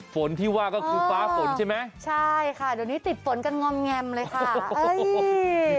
ฝนที่ว่าก็คือฟ้าฝนใช่ไหมใช่ค่ะเดี๋ยวนี้ติดฝนกันงอมแงมเลยค่ะเอ้ย